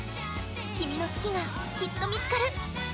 君の好きが、きっと見つかる。